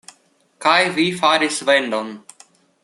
Kaj vi faris vendon.